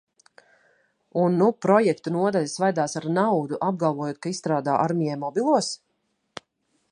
Un nu projektu nodaļa svaidās ar naudu, apgalvojot, ka izstrādā armijai mobilos?